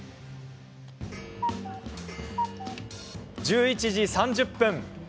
１１時３０分。